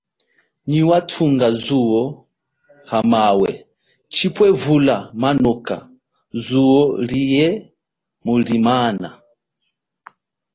Nyi wathunga zuo hamawe chipwe vula manoka zuo liye mulimana.